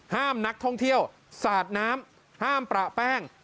ห้ามนักท่องเที่ยวสาดน้ำห้ามประแป้ง